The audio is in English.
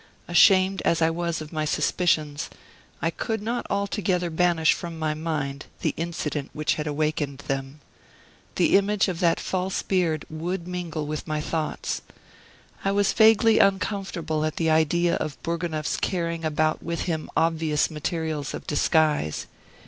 Ashamed as I was of my suspicions, I could not altogether banish from my mind the incident which had awakened them. The image of that false beard would mingle with my thoughts. I was vaguely uncomfortable at the idea of Bourgonef's carrying about with him obvious materials of disguise.